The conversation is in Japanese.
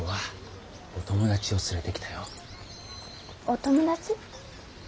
お友達？